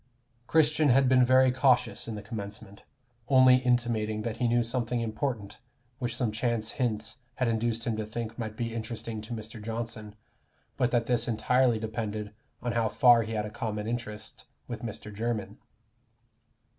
Christian had been very cautious in the commencement, only intimating that he knew something important which some chance hints had induced him to think might be interesting to Mr. Johnson, but that this entirely depended on how far he had a common interest with Mr. Jermyn.